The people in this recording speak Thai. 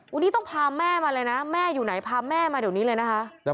วันนี้ต้องพาแม่มาเลยนะแม่อยู่ไหนพามาถึงแม่เลยนะ